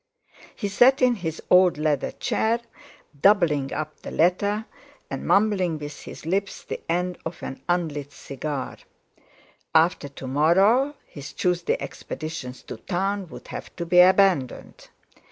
He sat in his old leather chair, doubling up the letter, and mumbling with his lips the end of an unlighted cigar. After to morrow his Tuesday expeditions to town would have to be abandoned.